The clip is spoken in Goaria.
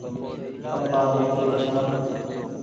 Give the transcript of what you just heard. آپآن ليکري ڇآن